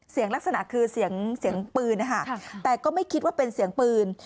เสียงลักษณะคือเสียงเสียงปืนนะคะแต่ก็ไม่คิดว่าเป็นเสียงปืน